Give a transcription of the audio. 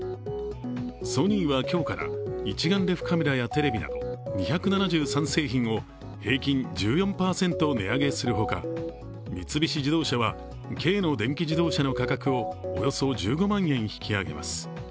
ソニーは今日から一眼レフカメラやテレビなど２７３製品を平均１４％値上げするほか三菱自動車は軽の電気自動車の価格をおよそ１５万円引き上げます。